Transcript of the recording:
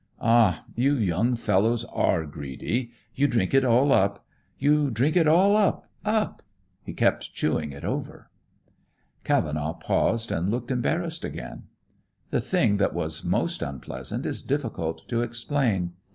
'Ah, you young fellows are greedy. You drink it all up. You drink it all up, all up up!' he kept chewing it over." Cavenaugh paused and looked embarrassed again. "The thing that was most unpleasant is difficult to explain.